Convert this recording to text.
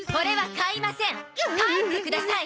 帰ってください！